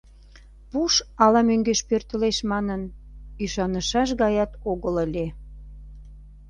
Пуш ала мӧҥгеш пӧртылеш манын, ӱшанышаш гаят огыл ыле.